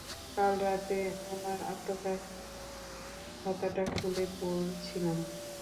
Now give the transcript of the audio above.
কাল রাত্রে আমার আত্মকাহিনীর খাতাটা খুলে পড়ছিলুম।